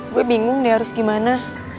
gue bingung dia harus gimana